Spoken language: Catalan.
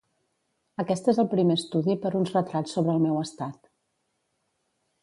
Aquest és el primer estudi per uns retrats sobre el meu estat.